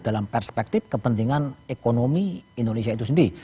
dalam perspektif kepentingan ekonomi indonesia itu sendiri